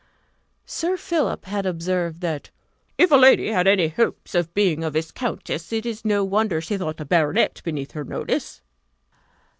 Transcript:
Sir Philip had observed, that, "if a young lady had any hopes of being a viscountess, it was no wonder she thought a baronet beneath her notice."